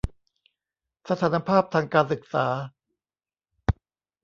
สถานภาพทางการศึกษา